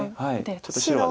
ちょっと白は。